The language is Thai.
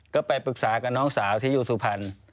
ก็ไปปรึกษากับน้องสาวที่อยู่สุพรรณ